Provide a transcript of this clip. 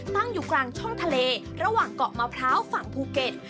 ตั้งอยู่กลางช่องทะเลระหว่างเกาะมะพร้าวฝั่งภูเก็ต